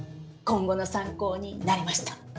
今後の参考になりました。